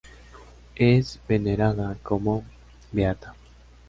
Es venerada como beata.